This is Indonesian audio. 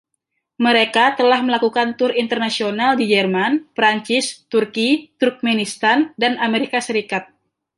Mereka telah melakukan tur internasional di Jerman, Prancis, Turki, Turkmenistan, dan Amerika Serikat.